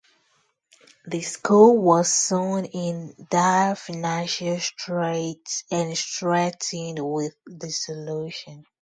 The school was soon in dire financial straits and threatened with dissolution.